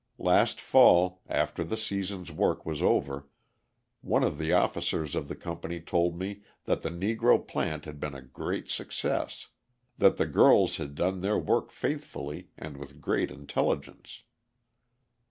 Last fall, after the season's work was over, one of the officers of the company told me that the Negro plant had been a great success, that the girls had done their work faithfully and with great intelligence.